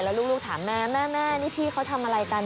แล้วลูกถามแม่แม่นี่พี่เขาทำอะไรกัน